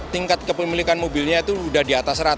tingkat kepemilikan mobilnya itu sudah di atas seratus